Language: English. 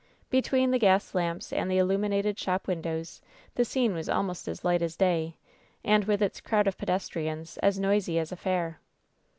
Between the gas lamps and the illu minated shop windows the scene was almost as light as day, and, with its crowd of pedestrians, as noisy as a fair.